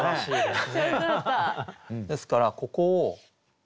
ですからここを。